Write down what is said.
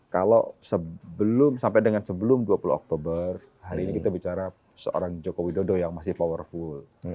kalau sebelum sampai dengan sebelum dua puluh oktober hari ini kita bicara seorang joko widodo yang masih powerful